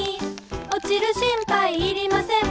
「おちる心配いりません」